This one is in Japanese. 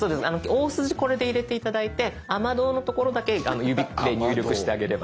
大筋これで入れて頂いて「雨どう」の所だけ指で入力してあげれば。